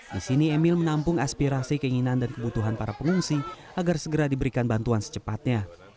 di sini emil menampung aspirasi keinginan dan kebutuhan para pengungsi agar segera diberikan bantuan secepatnya